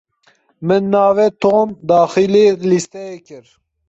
Min navê Tom daxilî lîsteyê kir.